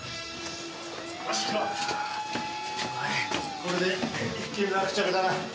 これで一件落着だな。